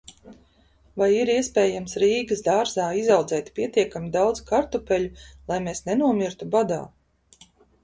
Vai ir iespējams Rīgas dārzā izaudzēt pietiekami daudz kartupeļu, lai mēs nenomirtu badā?